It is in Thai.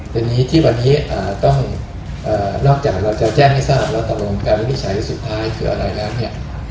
เป็นเหตุที่วันนี้ต้องนอกจากเราจะแจ้งให้ทราบแล้วตกลงการวินิจฉัยสุดท้ายคืออะไรแล้วเนี่ย